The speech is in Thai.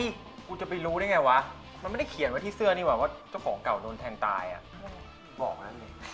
ไอ้กูจะไปรู้เนี่ยไงวะมันไม่ได้เขียนไว้ที่เสื้อนิน่ะว่าเจ้าของเก่าน้องโทนแทงตายอะ